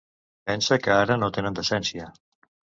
Pensa que ara no tenen decència.